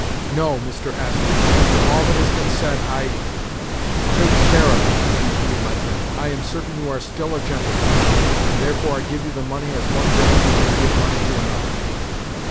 "No, Mr. Astley. After all that has been said I—" "Take care of them!" repeated my friend. "I am certain you are still a gentleman, and therefore I give you the money as one gentleman may give money to another.